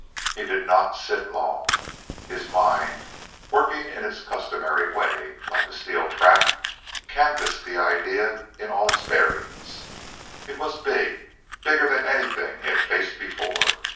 He did not sit long. His mind, working in its customary way, like a steel trap, canvassed the idea in all its bearings. It was big bigger than anything he had faced before.